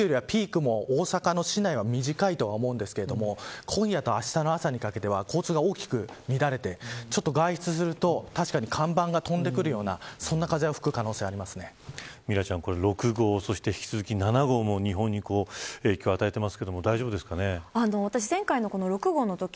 今回は雨も伴いますしあの時よりも、ピークも大阪の市内は短いとは思うんですが今夜とあしたの朝にかけては交通が大きく乱れて外出すると確かに看板が飛んでくるようなそんな風がミラちゃん６号に引き続き７号も日本に影響を与えていますが大丈夫ですかね。